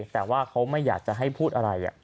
แต่ว่าเขาไม่อยากจะให้พูดอะไร